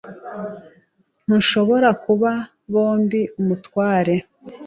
Ntushobora kuba bombi umutware.